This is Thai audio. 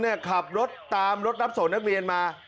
ขับรถตามรถรับส่งนักเรียนมา